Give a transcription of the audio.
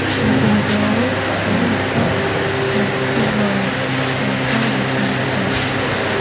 Mugenzi wawe urota yakubabaza ubuzima bwawe